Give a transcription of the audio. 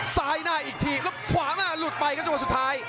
ซ้ายหน้าอีกทีแล้วขวางหน้าหลุดไปครับจังหวะสุดท้าย